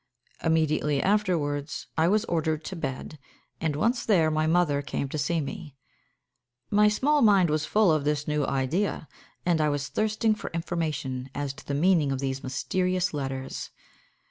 Immediately afterwards I was ordered to bed, and, once there, my mother came to see me. My small mind was full of this new idea, and I was thirsting for information as to the meaning of these mysterious letters.